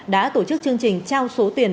đã tổ chức chương trình trao số tiền